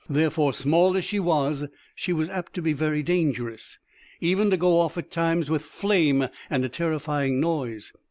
Therefore, small as she was, she was apt to be very dangerous, even to go off at times with flame and a terrifying noise.